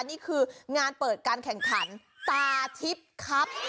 นี่คืองานเปิดการแข่งขันตาทิพย์ครับ